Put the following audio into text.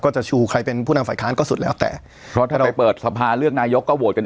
จะชูใครเป็นผู้นำฝ่ายค้านก็สุดแล้วแต่เพราะถ้าเราไปเปิดสภาเลือกนายกก็โหวตกัน